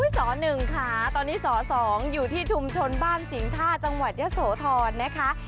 ส๑ค่ะตอนนี้ส๒อยู่ที่ชุมชนบ้านสิงท่าจังหวัดยะโสธรนะคะ